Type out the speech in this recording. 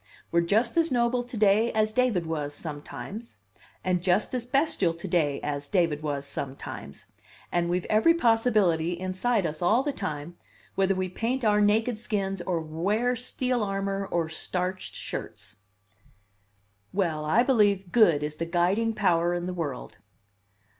We're just as noble to day as David was sometimes, and just as bestial to day as David was sometimes, and we've every possibility inside us all the time, whether we paint our naked skins, or wear steel armor or starched shirts." "Well, I believe good is the guiding power in the world."